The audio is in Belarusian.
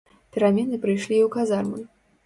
Перамены прыйшлі і ў казармы.